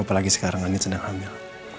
apalagi sekarang angin sedang hamil